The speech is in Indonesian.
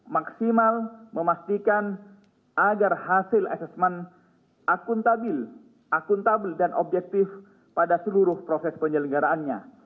maksimal memastikan agar hasil asesmen akuntabel akuntabel dan objektif pada seluruh proses penyelenggaraannya